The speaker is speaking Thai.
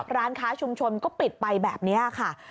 ร้านค้าชุมชนก็ปิดไปแบบนี้ค่ะ